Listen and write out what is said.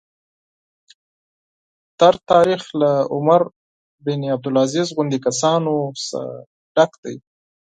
تېر تاریخ له عمر بن عبدالعزیز غوندې کسانو څخه ډک دی.